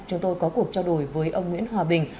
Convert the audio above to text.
chúng tôi có cuộc trao đổi với ông nguyễn hòa bình